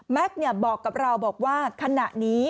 แม็กซ์บอกกับเราว่าขณะนี้